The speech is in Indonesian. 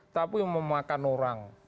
tapi memakan orang